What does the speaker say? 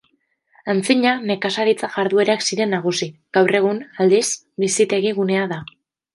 Antzina nekazaritza-jarduerak ziren nagusi, gaur egun, aldiz, bizitegi-gunea da.